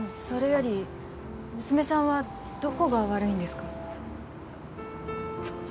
それより娘さんはどこが悪いんですか？